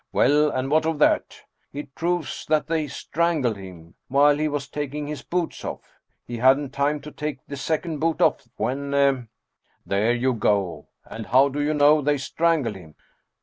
"Well, and what of that?" " It proves that they strangled him, while he was tak ing his boots off. He hadn't time to take the second boot off when "" There you go ! and how do you know they strangled him?"